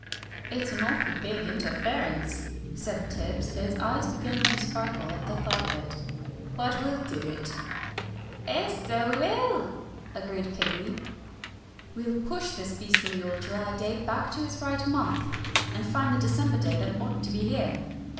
"It's an awful big interference," said Tibbs, his eyes beginning to sparkle at the thought of it. "But we'll do it." "'Es, so we will," agreed Kiddiwee. "We'll push this beastly old July day back to its right month, and find the December day that ought to be here.